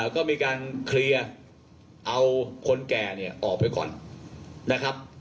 ก็มีการเคลียร์เอาคนแก่เนี่ยออกไปก่อนนะครับ